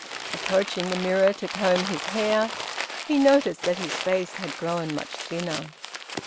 Approaching the mirror, to comb his hair, he noticed that his face had grown much thinner.